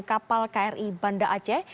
kapal kri banda aceh